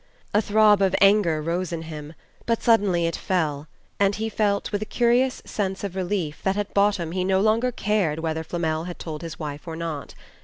A throb of anger rose in him, but suddenly it fell, and he felt, with a curious sense of relief, that at bottom he no longer cared whether Flamel had told his wife or not.